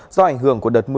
do ảnh hưởng của huyện ba tơ